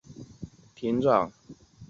汉高祖刘邦曾在秦时担任泗水亭亭长。